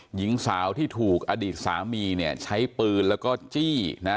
หญิงสาวที่ถูกอดีตสามีเนี่ยใช้ปืนแล้วก็จี้นะ